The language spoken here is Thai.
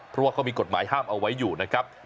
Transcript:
เพราะว่าเขามีกฎหมายห้ามเอาไว้อยู่นะครับ